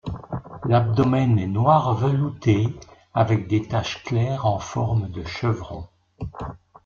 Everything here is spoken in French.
L'abdomen est noir velouté avec des taches claires en forme de chevrons.